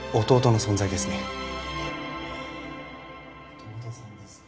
弟さんですか。